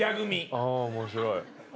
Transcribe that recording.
ああ面白い。